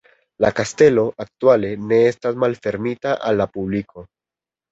La kastelo aktuale ne estas malfermita al la publiko.